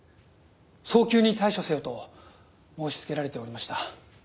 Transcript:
「早急に対処せよ」と申しつけられておりました。